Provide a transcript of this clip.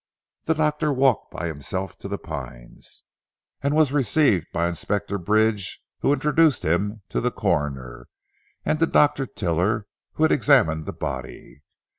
The doctor walked by himself to the Pines, and was received by Inspector Bridge who introduced him to the Coroner, and to Dr. Tiler, who had examined the body.